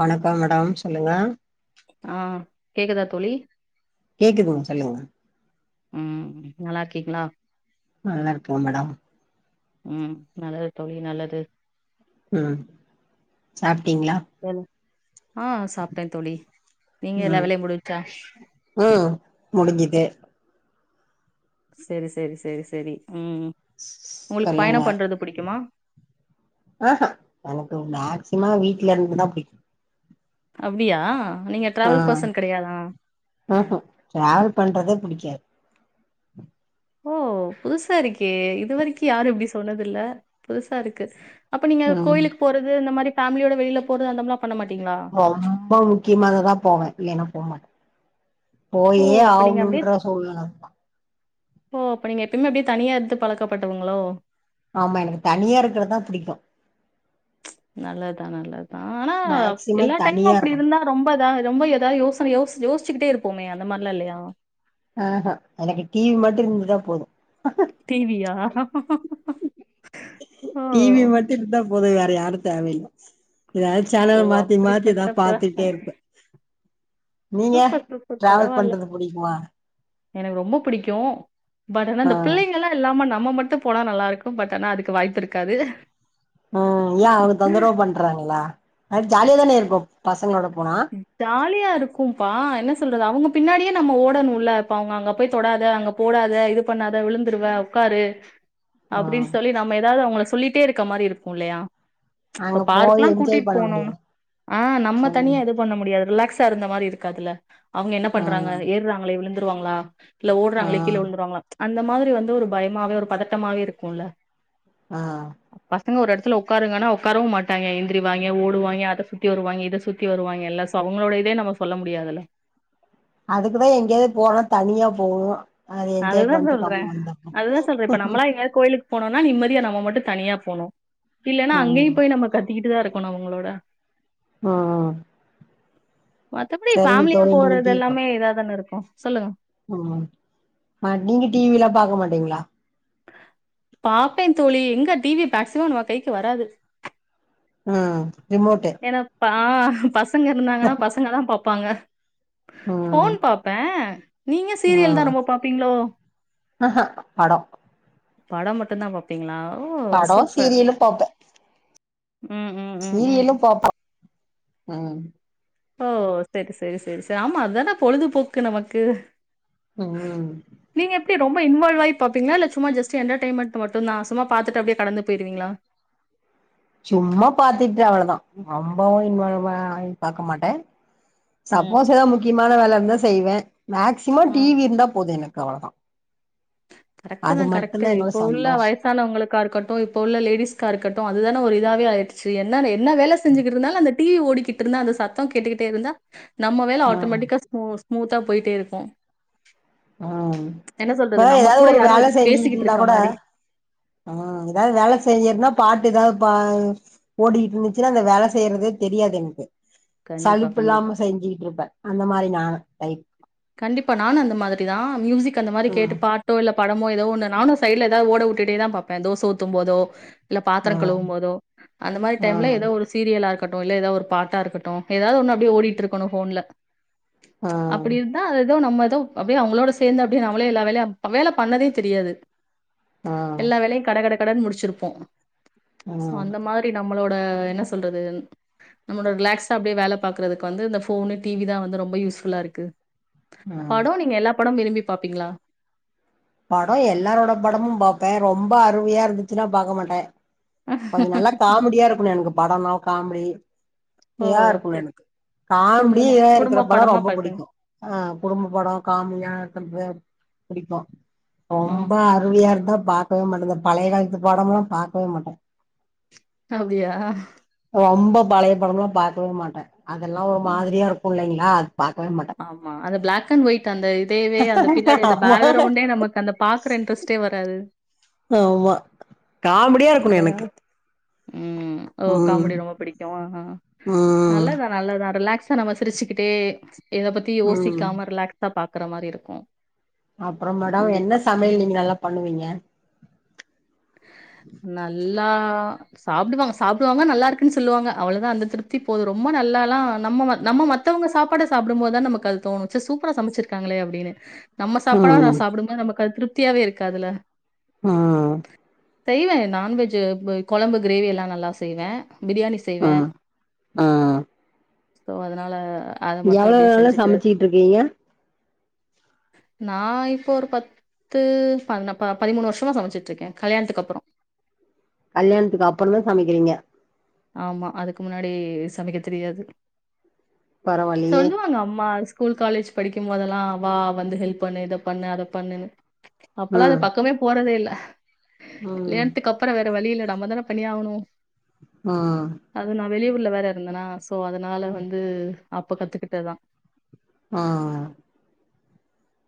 வணக்கம் மேடம் சொல்லுங்க ஆ கேக்குதா தோழி கேக்குதுங் சொல்லுங்க ம் நல்லா இருக்கீங்ளா நல்லா இருக்கன்ங்க மேடம் ம் நல்லது தோழி நல்லது ம் சாப்ட்டீங்ளா தோழி ஆ சாப்ட்டன் தோழி நீங்க எல்லா ம் வேலையும் முடிஞ்ச்சா ம் முடுஞ்சுது செரி செரி செரி செரி ம் உங்களுக்கு சொல்லுங்க பயணம் பண்றது புடிக்குமா ஆ ஹ எனக்கு மேக்சிம வீட்ல இருந்துதா புடிக்கு அப்டியா நீங்க டிராவல் பெர்சன் கெடையாதா ம்ஹீ டிராவல் பண்றதே புடிக்காது ஓ புதுசா இருக்கே இது வரைக்கு யாரு இப்டி சொன்னது இல்ல புதுசா இருக்கு அப்ப நீங்க ம் கோயிலுக்குப் போறது இந்த மாதிரி ஃபேமிலியோட வெளியில போறது அந்தம்ல்லாம் பண்ண மாட்டீங்களா ரொம்ப முக்கியமாகதா போவே இல்லேன்னா போ மாட்டேன் ஓ போயே அப்ப நீங்க அப்டியே ஆவணும்ன்ற சூழ்நிலை ஓ அப்ப நீங்க எப்பயுமே இப்பிடி தனியா இருந்து பழக்கப்பட்டவங்களோ ஆமா எனக்கு தனியா இருக்கிறதுதா புடிக்கும் நல்ல தா நல்ல தா ஆனா எல்லா மேக்சிமம் டைமும் தனியா அப்பிடி இருக்கணு இருந்தா ரொம்ப எதா ரொம்ப ஏதாவ யோசனை யோசன் யோசிச்சிக்கிட்டே இருப்போமே அந்த மாரில்லா இல்லையா ஆ ஹ எனக்கு டிவி மட்டு இருந்துட்டா போது டிவி யா டிவி மட்டு இருந்தா போது வேற யாரு தேவையில்ல எதாவது ஓ சேனல் மாத்தி மாத்தி எதா அப்படிப்பட்ட பாத்துட்டே பெர்சன். இருப்பே நீங்க சூப்பர் சூப்பர் ட்ராவல் பரவால்ல. பண்றது புடிக்குமா எனக்கு ரொம்ப புடிக்கு பட் ஆனா ஆ அந்த புள்ளைக இவங்கலா இல்லாம நம்ம மட்டும் போனா நல்லா இருக்கும் பட் ஆனா அதுக்கு வாய்ப்பு இருக்காது ம் யா அவங்க தொந்தரவ் பண்றாங்களா நைட் ஜாலியா தானே இருக்கு பசங்களோட போனா ஜாலியா இருக்கும்ப்பா என்ன சொல்றது அவங்க பின்னாடியே நம்ம ஓடணுல்ல இப்ப அவங்க அங்க போய் தொடாத அங்க ஓடாத இது பண்ணாத விழுந்துருவ உக்காரு ஆ அப்டின்னு சொல்லி நம்ம எதாவது அவங்கள சொல்லிட்டே இருக்க மாரி இருக்குமில்லையா அங்க இப்ப போய் பார்க்லா என்ஜாய் கூட்டிட்டு பண்ண போனோனா முடியாது ஆ நம்ம ம் தனியா எதுக்கு பண்ண முடியாது ரிலாக்ஸா இருந்த மாரி இருக்காதுல அவங்க என்ன ஆ பண்றாங்க ஏறாங்களே விழுந்துருவாங்களா இல்ல ஆ ஓடுறாங்களே கீழ உழுதுருவாங்களா அந்த மாரி வந்து ஒரு பயமாவே ஒரு பதட்டமாவே இருக்குல ஆ பசங்க ஒரு இடத்துல உக்காருங்கன்னா உட்காரவும் மாட்டாய்ங்க எந்திரிப்பாய்ங்க ஓடுவாய்ங்க அத சுத்தி வருவாய்ங்க இத சுத்தி வருவாய்ங்க எல்லாஸ் அவங்களோட இதே நம்ம சொல்ல முடியாதுல்ல அதுக்குதா எங்கேயாவது போனா தனியா போவோ அதுதான் சொல்றேன் அதுதா சொல்ற இப்ப நம்மளா எங்கையாது கோயிலுக்கு போனோனா நிம்மதியா நம்ம மட்டு தனியா போணும் இல்லைன்னா ம் அங்கேயும் போய் நம்ம கத்திக்கிட்டு தா இருக்கணு அவங்களோட ஆ மத்தபடி ஃபேமிலியா தோழி நீங்க போறது டீ எல்லாமே இதா தானே இருக்கு சொல்லுங்க ம் மா நீங்க டிவிலாம் பாக்க மாட்டீங்களா பாப்பே தோழி எங்க டிவி மேக்சிமம் நம்ப கைக்கு வராது ம் ரிமோட்டு ஏனா பா பசங்க இருந்தாங்கன்னா பசங்க தா பாப்பாங்க ம் ஃபோன் பாப் நீங்க சீரியல் தான் ம் ரொம்ப பாப்பீங்களோ ஆஹா படோ படம் மட்டு்ந்தா பாப் அப்டீங்களா ஓ படோ சூப்பர் சீரியலு பாப்பே ம் ம் ம் ம் சீரியலு பாப்பே ம் ஓ சேரி சேரி சேரி சேரி ஆமா அதான பொழுதுபோக்கு நமக்கு ம் நீங்க எப்டி ரொம்ப இன்வால்வாய் பாப்பீங்களா இல்ல சும்மா ஜஸ்ட் என்டர்டைன்மெண்ட் மட்டும்தா சும்மா பாத்துட்டு அப்டே கடந்து போயிடுவீங்களா சும்மா பாத்துட்டு அவ்வளதான் ரொம்பவு இன்வால்வா ஆய் பாக்க மாட்டே ம் சப்போஸ் எதாவது முக்கியமான வேல இருந்தா செய்வே மேக்சிமம் ம் டிவி இருந்தா போது எனக்கு அவ்வளதான் கரெக்ட்தா கரெக்ட்டு என்னோட இப்ப உள்ள வயசு சந்தோஷோ வயசானங்களுக்கா இருக்கட்டு இப்ப உள்ள லேடிஸ்கா இருக்கட்டு அதுதான ஒரு இதாவே ஆய்டு சி என்ன என்னா வேலை செஞ்சுட்டு இருந்தாலு அந்த டிவி ஓடிக்கிட்டு இருந்தா அந்த சத்தம் கேட்டுக்கிட்டே இருந்தா நம்ம வேலை ம் ஆட்டோமேட்டிக்கா ஸ்மூ ஸ்மூத்தா போய்ட்டே இருக்கு ம் சொல்றது? அதா நம்ம எதாது கூட ஒரு யாரோ வேல இரு பேசிக்கிட்டு செஞ்சுகிட்டிருந்தா இருக்க கூட மாரி. ஆ எதாது வேல செஞ்சிருந்தா பாட்டு எதாது பா ஓடிகிட்ருந்துச்சுனா அந்த வேல செய்யறதே தெரியாது எனக்கு கண்டிப்பா, கண்டிப்பா. சலுப்புல்லாம செஞ்சிகிட்ருப்ப அந்த மாரி நா டைப் கண்டிப்பா நானு அந்த மாதிரிதா மியூசிக் அந்த மாரி கேட்டு ம் பா ட்டோ இல்ல படமோ எதோ ஒன்னு நானு சைடுல எதா ஓட உட்டுட்டேதா பாப்ப தோச ஊத்தும் போதோ இல்ல ஆ பாத்துரோ கழுவும் போதோ அந்த மாரி ஆ டைம்ல எதோ ஒரு சீரியலா இருக்கட்டு இல்ல எதோ ஒரு பாட்டா இருக்கட்டு எதாவ்து ஒன்னு அப்டே ஓடிட்டிருக்கனு ஃபோன்ல ஆ அப்டி இருந்தா எதோ நம் எதோ அப்டியே அவுங்குளோட சேந்து அப்டே நம்மளு எல்லா வேல்யு வேல பண்ணதே தெரியாது ஆ எல்லா வேலயு கட கட கடன் முடிச்சிருப்போ ஆ சோ அந்த மார் வே நம்மளோட என்ன சொல்றது நம்ளோட ரிலாக்ஸா அப்டியே வேல பாக்குறதுக்கு வந்து இந்த ஃபோனு டி வி தா வந்து ரொம்ப யூஸ்ஃபுல்லா இருக்கு ஆ படோ நீங்க எல்லா படம் விரும்பி பாப்பீங்ளா படோ எல்லாரோட படமு பாப்ப ரொம்ப அருவையா இருந்துச்சுனா பாக்க மாட்டே கொஞ்சு நல்லா காமெடியா இருக்கணு எனக்கு படோனா காம்டி ஓ! இதா இருக்கணு சரி. எனக்கு காம்டி குடும்பமா இதா குடும்ப இருக்கிற படோ படமா ரொம்ப பார்ப்பீங்க. புடிக்கு ஆ குடும்ப படோ காம்டியா இருக்கற்து புடிக்கு ம். ரொம்ப அருவையா இருந்தா பா க்கவே மாட்ட இந்த பழைய காலத்து படம்லா பாக்கவே மாட்ட அப்டியா ரொம்ப பழைய படம்லா பா்கக்கவே மாட்ட அதெல்லா ஒரு அ. மாதிரியா இருக்கு இல்லைங்ளா அது பாக்கவே மாட்ட ஆமா அந்த பிளாக் அண்ட் ஒய்ட் அந்த இதையவே அந்த பின்னாடி அந்த ஆமா பேகுரவுண்டே எ நமக் அந்த பாக்குற இன்ட்ரெஸ்ட்டே வராது ஆமா காமடியா அந்த இருக்கணு கால எனக்கு ம் ஓ ம் காமெடி ரொம்ப புடிக்குமா ஆ ம் நல்லா ந நல்லதுதா ரிலாக்ஸா நம்ம சிரிச்சுக்கிட்டே இத பத்தி ம் யோசிக்காம ரிலாக்ஸா பாக்குற மாரி இருக்கு அப்புறோ மேடம் என்ன சமையல் ம். நீங்க நல்லா பண்ணுவீங்க நல்லா சாப்டுவாங்க சாப்டுவாங்க நல்லா இருக்குன் சொல்லுவாங்க அவுளதா அந்த திருப்தி போது ரொம்ப நல்லாலா நம்ம ம நம்ம மத் தவங்க சாப்படா சாப்டும்போதா நமக்கு அது தோணு ச்ச சூப்பரா சமைச்சிருக்காங்களே அப்டினு நம்ம சாப்பாட ஆனா ம் சாப்புடுங்க நமக்கு அது திருப்தியாவே இருக்காதுல ஆ செய்வ நான்வெஜு ப கொழம்பு கிரேவியெல்லா நல்லா செய்வ பிரியாணி செய்வ ம் ம் சோ அதுனால எவுளோ நாளா சமச்சிட்டிருக்கீங்க நான் இப்போ ஒரு பத்து பண்ண ப பதிமூணு வர்ஷமா சமச்சுட்ருக்கே கல்யாண்த்துக்கப்புறோ கல்யாணத்துக் அப்புறந்தா சமைக்கிறீங்க ஆமா அதுக்கு முன்னாடி சமைக்க தெரியாது பரவாயில்லையே சொல்லுவாங்க அம்மா ஸ் ஸ்கூல் காலேஜ் படிக்குமோதெல்லா வா வந்து ஹெல்ப் பண்ணு இத பண்ணு அத பண்ணுனு அப்பல்லா அது ம் பக்கமே போறதே இல்ல ம் கல்யாண்த்துக்கப்புறோ வேற வழியில்ல நம்மதான பண்ணியாகணு ஆ அது நான் வெளியூர்ல வேற இருந்தனா சோ அதுனால வந்து அப்ப கத்துக்கிட்டதா ஆ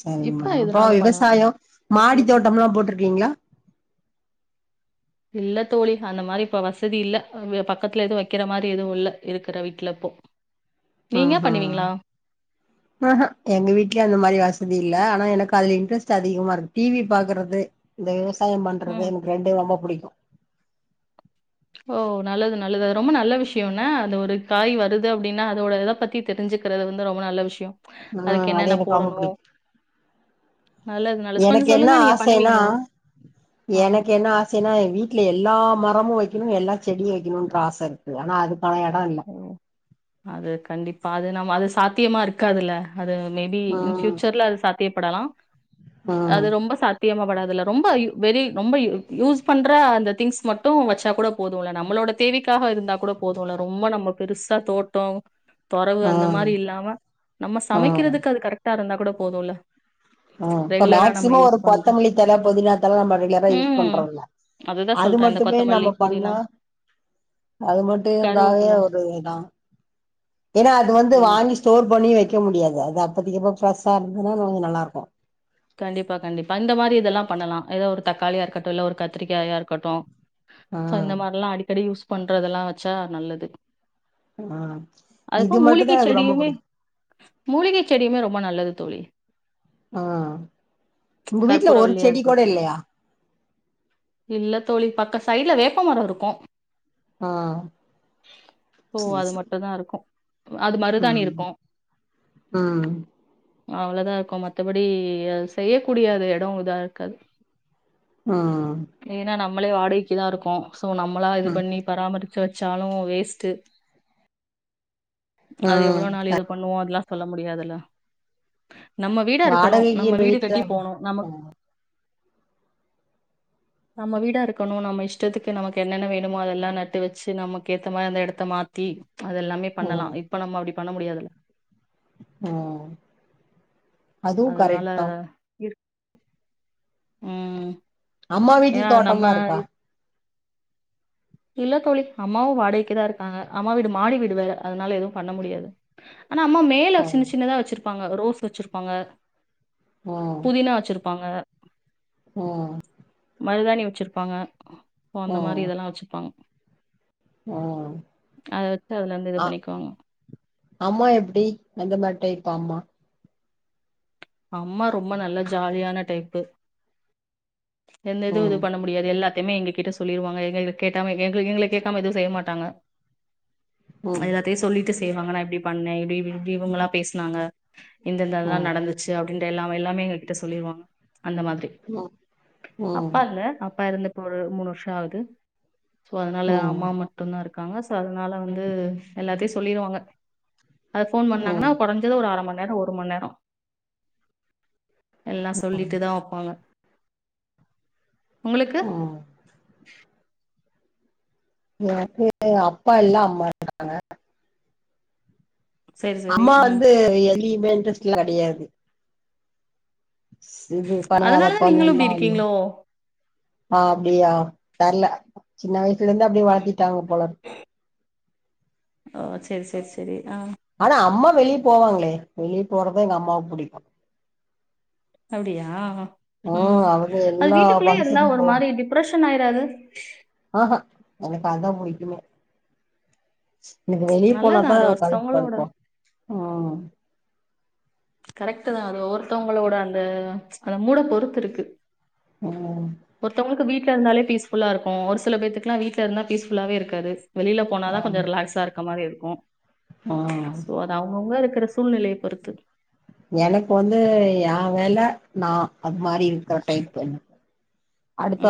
சரிங்க இப்ப மேடம் அப்புறோ எதுனாலு பண்ணுவே விவசாயோ மாடி தோட்டம்லா போட்ருக்கீங்ளா இல்ல தோழி அந்த மாரி இப்ப வசதி இல்ல பக்கத்துல எதுவு வைக்கிற மாரி எதுவு இல்ல இருக்கிற வீட்ல இப்போ ச் ஆ ஹா ஆ ஹா எங்க வீட்லயு அந்த மாரி வசதி இல்ல ஆனா எனக்கு அதுல இன்ட்ரெஸ்ட் அதிகமா இருக்கு டிவி பாக்குறது இந்த விவசாயோ பண்றது ம் எனக்கு ரெண்டு ரொம்ப புடிக்கு ஓ நல்லது நல்லது அது ரொம்ப நல்ல விஷ்யோ என்ன அந்ந ஒரு காய் வருது அப்டின்னா அதோட இத பத்தி தெரிஞ்சுக்கிறது வந்து ரொம்ப நல்ல விஷ்யோ ம் அது எனக்கு ரொம்ப புடிக்கு நல்லது, நல்லது. எனக்கு கொஞ்சம் என்ன சொல்லுங்க நீங்க ஆசைனா பண்ணுவீங்களா? ஆ. எனக்கு என்ன ஆ சேனா ஏ வீட்ல எல்லா மரமு வைக்கனு எல்லா செடியு வைக்கனுன்ற ஆச இருக்கு ஆனா அதுக்கான எடோ இல்ல ம் அது கண்டிப்பா அது நம்ம அது சாத்தியமா இருக் காதுல்ல அது மேபி இன் ம் பியூச்சர்ல அது சாத்தியப்படலா ம் அது ரொம்ப சாத் தியமா படாதுல்ல ரொம்ப வெரி ரொம்ப யூஸ் பண்ற அந்த திங்ஸ் மட்டு வச்சா கூட போதுல்ல நம்மளோட தேவைக்காக இருந்தா கூட போதுல்ல ரொம்ப நம்ம பெருசா தோட்டோ தொறவு அந்த ம் மாரி இல்லாம நம்ம ம் சமைக்கிறதுக்கு அது கரெக்டா இருந்தா கூட போதுல்ல ஆ இப்ப மேக்சிமம் ஒரு கொத்தமல்லி தழ பொதினா தழ நம்ம ரெகுலரா யூஸ் ம் பண்றோல்ல அதுதா அது சொல்றே இந்த மட்டுமே கொத்தமல்லி நம்ம புதினா பண்ணா அது மட்டு இருந்தாவே கருவேப்புல ஒரு இதுதா ஏனா அது வந்து ம் வாங்கி ஸ்டோர் பண்ணி வெக்க முடியாது அது அப்பதிக்கு அப்ப பிரெஷா இருந்தனா கொஞ்ச நல்லாருக்கு கண்டிப்பா கண்டிப்பா இந்த மாரி இதெல்லா பண்ணலா ஏதோ ஒரு தக்காளியா இருக்கட்டு இல்ல ஒரு கத்திரிக்காயா இருக்கட்டு ஆ சோ இந்த மாரில்லா அடிக்கடி யூஸ் பண்றதெல்லா வச்சா நல்லது ஆ அதுப்போ இது மட்டு தா மூலிகை எனக்கு ரொம்ப செடியுமே புடிக் மூலிகை செடியுமே ரொம்ப நல்லது தோழி ஆ உங்க வீட்ல ஒரு கற்பூரவள்ளியா செடி கோட இருக்கட்டு இல்லையா இல்ல தோழி பக்க சைட்ல வேப்பமரோ இருக்கு ஆ சோ சரி அது சரி மட்டு தா இருக்கு அது மருதானி ம் இருக்கு ம் அவ்ளதா இருக்கு மத்தபடி அது செய்யக்கூடிய அது எடோ இதா இருக்காது ஆஹ் ஏனா நம்மளே வாடகைக்கு தா இருக்கோ சோ நம்மளா இது ம் பண்ணி பராமரிச்சி வச்சாலு வேஸ்ட்டு அது ம் எவ்ளோ நாள் க இது பண்ணுவோ அதெல்லா சொல்ல முடியாதில்ல நம்ம வீ கனு வாடகைக்கு நம்ம இருக்க வீடு வீட்ல கட்டி போனு நமக் ம் நம்ம வீடா இருக்கணு நம்ம இஷ்டத்துக்கு நமக் என்னென்ன வேணுமோ அதெல்லா நட்டு வச்சு நமக் ஏத்த மாரி அந்த எடத்த மாத்தி அது எல்லாமே பண்ணலா ம் இப்ப நம்ம அப்டி பண்ண முடியாதில்ல ம் அதுவு அதனால கரெக்ட் தா ம் அம்மா வீட்ல ஏனா அது நம்ம தோட்டம்லா இருக்கா இல்ல தோழி அம்மாவு வாடைக் தா இருக்காங்க அம்மா வீடு மாடி வீடு வேற அதனால எதுவு பண்ண முடியாது ஆனா அம்மா மேல சின்ன ம் சின்னதா வச்சிருப்பாங்க ரோஸ் வச்சிருப்பாங்க ம் புதினா வெச்சிருப்பாங்க ஒ மருதானி வச்சிருப்பாங்க போ அந்த மாரி ம் இதெல்லா வச்சிர்ப்பாங்க ம் அத வச்சி அதுல இருந்து இது அ பண்ணிக்குவாங்க அம்மா எப்டி எந்த மாரி டைப்பு அம்மா அம்மா ரொம்ப நல்ல ஜாலியான டைப்பு எந்த இது ம் இது பண்ண முடியாது எல்லாத்தையுமே எங்க கிட்ட சொல்லிருவாங்க எங்களுக்கு கேட்டாம எங்கள கேக்காம எதும் செய்ய மாட்டாங்க ம் எல்லாத்தயு சொல்லிட்டு செய்வாங்க நா இப்டி பண்ணே இப்டி இப்டி இவுங்ளா பேசுனாங்க இந்தெந்தெல்லா ம் நடந்துச்சு அப்டின்ற எல்லாமே எல்லாமே எங்க கிட்ட சொல்லிருவாங்க அந்த மாதிரி ம் ம் அப்பா இல்ல அப்பா எருந்து இப்ப ஒரு மூணு வருஷோ ஆவுது சோ அதனால ம் அம்மா மட் ட்டுதா இருக்காங்க சோ அதனால வந்து எல்லாத்தையு சொல்லிருவாங்க அத ஃபோன் பண்ணாங்கன்னா ம் கொறஞ் ஞ்சது ஒரு அரை மண் நேரோ ஒரு மண் நேரோ எல்லா சொல்லிட்டு தா வப்பாங்க உங்களுக்கு ம் எனக்கு அப்பா இல்ல அம்மா இருக்காங்க செரி செரி அம்மா ம் வந்து எதுலயுமே இன்ட்ரெஸ்ட்லா கிடையாது இது பண்ணு அத அதனாலதா நீங்களு இப்டி பண்ணுண்லா ஒண்ணு இருக்கீங்களோ ஆ அப்டியா தர்ல சின்ன வயசுல இருந்து அப்டியே வளத்திட்டாங்க போல ஓ சேரி சேரி சேரி ஆஹ் ஆனா அம்மா வெளிய போவாங்ளே வெளியே போறதா எங்க அம்மாவுக்கு பிடிக்கு அப்டியா ம் அவங்க அது எல்லா வீட்டுக்குள்ளயே இருந்தா பங்க்ஷனு ஒரு மாரி டிப் பிரஷன் ஆயிராது ஆஹ்ஹா எனக்கு அதா புடிக்குமே எனக்கு வெளிய நல்லதா போனாதா அது கடுப்பா ஒருத்தவங்களோட இருக்கு ம் கரெக்ட்டு தா அது ஒவ்வொருத்தவங்களோட அந்த அந்த மூட பொறுத்து இருக்கு உம் ஒருத்தவங்களுக்கு வீட்ல இருந்தாலே பீஸ்ஃபுல்லா இருக்கு ஒரு சில பேத்துக்குலா வீட்ல இருந்தா பீஸ்ஃபுல்லாவே இருக்காது வெளில போனாதா கொஞ்சோ ரிலாக்ஸா இருக்க மாரி இருக்கு ஆஹ் அ அவுங்கவுங்க இருக்கிற சூழ்நிலைய பொறுத்து எனக்கு வந்து ஏ வேல நா அது மாரி இருக்குற டைப்பு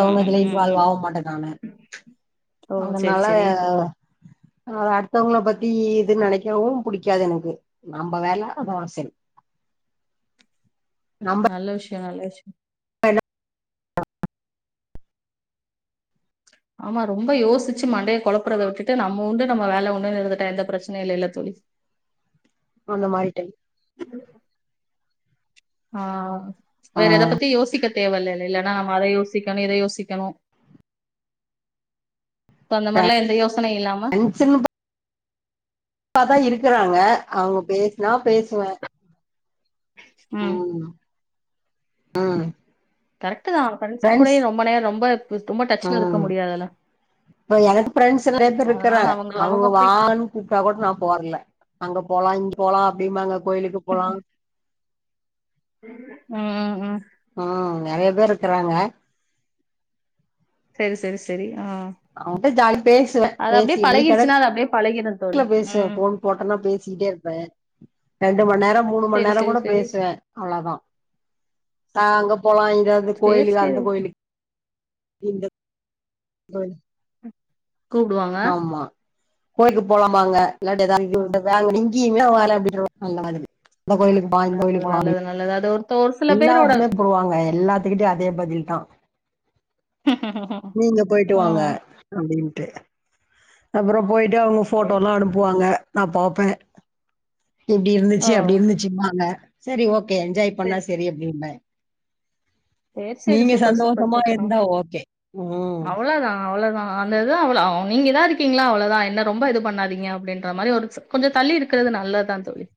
ம் ம் இதுல ம் இன்வால்வ் ம் ஆவ மாட்டே நானு ஓ செரி அதுனால செரி அது அடுத்தவங்கள பத்தி இது நெனைக்கவு புடிக்காது எனக்கு நம்ப வேல அதோட செரி நம்ப நல்ல விஷயோ நல்ல விஷயோ ஆமா ரொம்போ யோசிச்சு மண்டைய குழப்பறத விட்டுட்டு நம்ப உண்டு நம்ம வேல உண்டுன்னு இருந்துட்டா எந்த பிரச்சனையு இல்லைல தோழி அந்த மாரி டைப் ஆஹ் ஆ வேற எத பத்தியு யோசிக்க தேவ இல்ல இல்லன்னா நம்ம அத யோசிக்கணு இத யோசிக்கணு சோ அந்த மாரிலா எந்த யோசனை இல்லாம ம் சின் பா ப்பாதா இருக்குறாங்க அவ்ங்க பேசுனா பேசுவே ம் ஆமா ஆஹ் கரெக்ட்டு தா ஃப்ரெண்ட்ஸ் கூடயே ரொம்ப நேரோ ரொம்ப ரொம்ப டச்ல இருக்க ம் முடியாதுல்ல இப்ப எனக்கு பிஃரெண்ட்ஸ் நெறைய பேரு அதனால இருக்கிறாங்க அவங்க அவுங்க அவங்க ஃப்ரீ வான் கூப்ட்டா கூட நா போறல அங்க போலா இங்க போலா அப்டிம்பாங்கா கோயிலுக்கு போலா ம் ம் ம் உம் நெறைய பேர் இருக்குறாங்க செரி செரி செரி ஆஹ் அவங்கட்ட ஜாலியா பேசுவே பேசி மணி கணக் னா அது அப்படியே பழகிரு தோ குல பேசுவே ஃபோன் போட்டன்னா பேசிட்டே இருப்பே ரெண்டு மண் நேரம் மூனு மண் சரி நேரம் சரி கூட சரி பேசுவே அவ்ளதா சா அங்க போலா இங்க அது சரி கோயிலில சரி அந்த ஓகே கோயிலுக் இந்த கோயில் கூப்டுவாங்க ஆமா கோயில்க் போலாம்பாங்க இல்லாட்டி எதா ம் [inaudible] எங்கேயுமே [unintelligible] அந்த மாதிரி அந்த கோயிலுக் நல்லது நல்லது நல்லது அது ஒரு சில பேரோட எல்லாத்துமே போடுவாங்க எல்லாத்துக்கிட்டயு அதே பதில் தா நீங்க போய்ட்டு வாங்க ம் அப்டின்ட்டு அப்புற போயிட்டு அவங்க சரி. ஃபோட்டோலா அனுப்புவாங்க நா பாப்பே இப்டி ஓ இருந்துச்சு அப்டி இருந்துச்சுபாங்க செரி ஓகே என்ஜாய் பண்ணா செரி அப்டிம்ப சேர் சேரி சூப்பர் சூப்பர் சந்தோஷமா சூப்பரு இருந்தா ஓகே. ம். அவ்ளோதா அவ்ளோதா அந்த இது அவ்வள அவ நீங்க இதா இருக்கீங்களா அவ்ளோதா என்ன ரொம்ப இது பண்ணாதீங்க அப்படின்ற மாரி ஒரு ச கொஞ்ச தள்ளி இருக்குறது நல்லதுதா தோழி